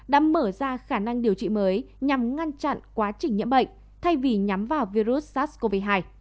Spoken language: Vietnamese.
đã mở ra khả năng điều trị mới nhằm ngăn chặn quá trình nhiễm bệnh thay vì nhắm vào virus sars cov hai